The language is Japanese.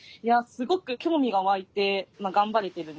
すごく興味が湧いてまあ頑張れてるんですけど。